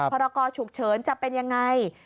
ภรรกาฉุกเฉินจะเป็นอย่างไร